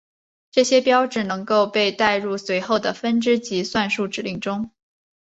这些标志能够被带入随后的分支及算术指令中。